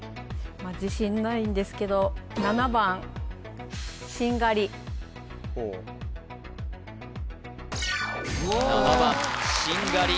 自信ないんですけど・ほう７番しんがり